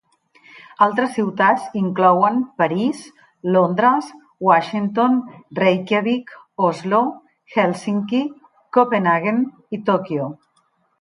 Altres ciutats inclouen París, Londres, Washington, Reykjavík, Oslo, Hèlsinki, Copenhaguen i Tòquio.